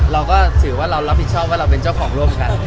เราก็ถือว่าเรารับผิดชอบเป็นเจ้าของโลกกัน